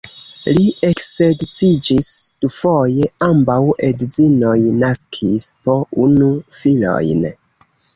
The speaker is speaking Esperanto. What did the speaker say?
Li eksedziĝis dufoje, ambaŭ edzinoj naskis po unu filojn.